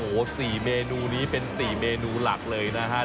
โอ้โห๔เมนูนี้เป็น๔เมนูหลักเลยนะฮะ